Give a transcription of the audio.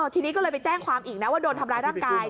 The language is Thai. ทีนี้ก็เลยไปแจ้งความอีกนะว่าโดนทำร้ายร่างกาย